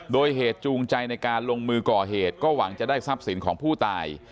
โดยเหตุจูงใจในการลงมือก่อเหตุก็หวังจะได้ทรัพย์สินของผู้ตาย